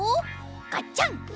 ガッチャン。